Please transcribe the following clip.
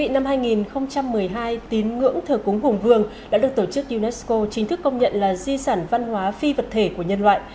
năm hai nghìn một mươi hai tín ngưỡng thờ cúng hùng vương đã được tổ chức unesco chính thức công nhận là di sản văn hóa phi vật thể của nhân loại